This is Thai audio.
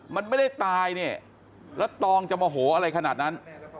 มันไม่ได้ตายเนี่ยแล้วตองจะโมโหอะไรขนาดนั้น